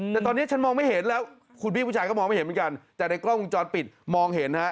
แต่ตอนนี้ฉันมองไม่เห็นแล้วคุณพี่ผู้ชายก็มองไม่เห็นเหมือนกันแต่ในกล้องวงจรปิดมองเห็นฮะ